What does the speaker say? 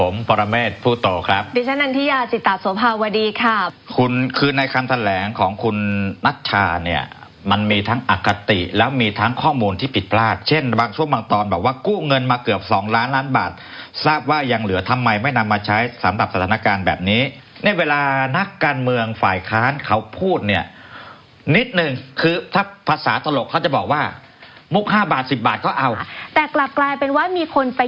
ว่าคำแสดงของคุณนะจาเนี่ยมันมีทั้งอัคติแล้วมีทั้งข้อมูลที่ผิดพลาดเช่นบางเท่าเงินมาเกือบ๒ล้านบาทซาบว่าหยังเหลือทำไมไม่นำมาใช้สำหรับสถานะการณ์แบบนี้ในเวลานักการเมืองไฟค้างเขาพูดเนี่ยนิดนึงคือพักภาษาตลกก็จะบอกว่าอีก๕บาท๑๐บาทก็เอาแต่กลับกลายเป็นว่ามีคนไป